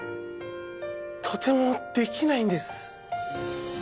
とてもできないんです。